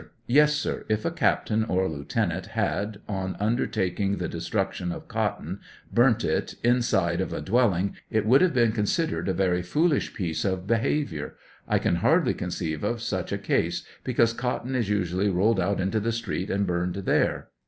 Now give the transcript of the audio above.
Yes, sir ; if a Captain or Lieutenant had, on under taking the destruction of cotton, burnt it inside of a dwelling, it would have been considered a very foolish piece of behavior ; I can hardly conceive of such a case, because cotton is usually rolled out into the street and burnt there.